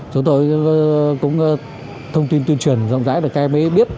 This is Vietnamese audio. chúng tôi cũng thông tin tuyên truyền rộng rãi để các em mới biết